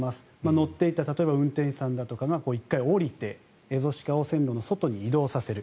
乗っていた例えば、運転士さんとかが１回降りてエゾシカを線路の外に移動させる。